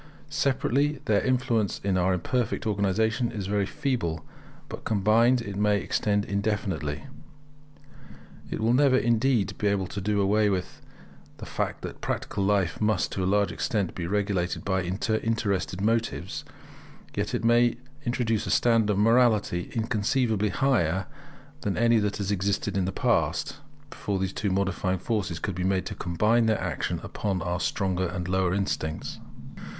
Separately, their influence in our imperfect organization is very feeble; but combined it may extend indefinitely. It will never, indeed, be able to do away with the fact that practical life must, to a large extent, be regulated by interested motives; yet it may introduce a standard of morality inconceivably higher than any that has existed in the past, before these two modifying forces could be made to combine their action upon our stronger and lower instincts.